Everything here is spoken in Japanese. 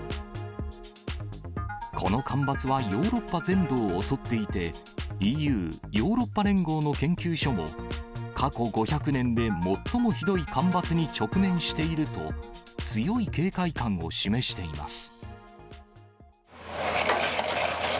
この干ばつはヨーロッパ全土を襲っていて、ＥＵ・ヨーロッパ連合の研究所も、過去５００年で最もひどい干ばつに直面していると、強い警戒感を示しています。